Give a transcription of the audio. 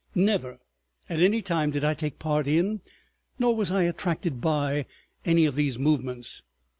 Never at any time did I take part in nor was I attracted by any of these movements.